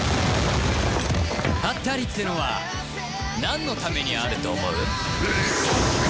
ハッタリってのはなんのためにあると思う？